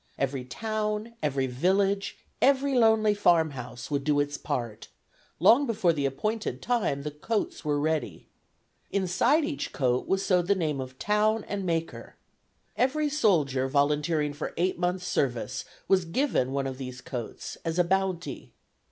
Every town, every village, every lonely farmhouse, would do its part; long before the appointed time, the coats were ready. Inside each coat was sewed the name of town and maker. Every soldier, volunteering for eight months' service, was given one of these coats as a bounty.